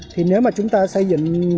thì nếu mà chúng ta xây dựng